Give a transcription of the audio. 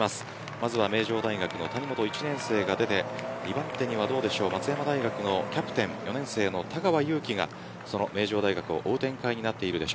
まずは名城大学の谷本１年生が出て２番手にはどうでしょう松山大学のキャップテン４年生の田川は名城大学を追う展開になっています。